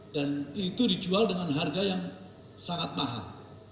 dan itu dijual dengan harga yang sangat mahal